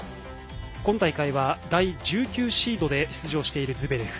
今大会は第１９シードで出場しているズベレフ。